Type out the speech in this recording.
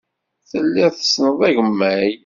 Telliḍ tessneḍ agemmay.